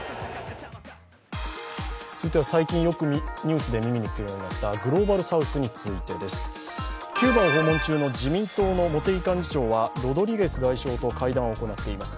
続いては最近ニュースでよく耳にするようになったグローバルサウスについてです。キューバを訪問中の自民党の茂木幹事長はロドリゲス外相と会談を行っています。